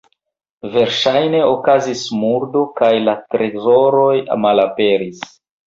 Verŝajne okazis murdo kaj la trezoroj malaperis.